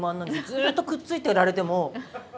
ずっとくっついてられても。